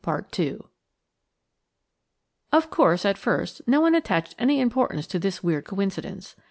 2 OF course, at first, no one attached any importance to this weird coincidence.